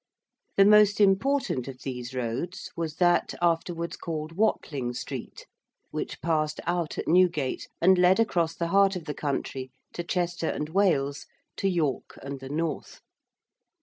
The most important of these roads was that afterwards called Watling Street, which passed out at Newgate and led across the heart of the country to Chester and Wales, to York and the north.